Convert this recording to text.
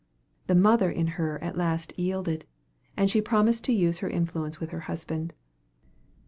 The mother in her at last yielded; and she promised to use her influence with her husband.